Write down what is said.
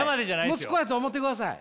息子やと思ってください。